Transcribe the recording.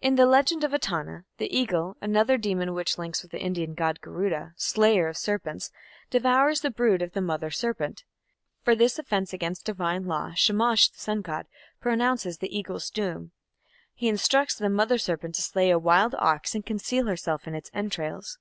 In the "Legend of Etana" the Eagle, another demon which links with the Indian Garuda, slayer of serpents, devours the brood of the Mother Serpent. For this offence against divine law, Shamash, the sun god, pronounces the Eagle's doom. He instructs the Mother Serpent to slay a wild ox and conceal herself in its entrails.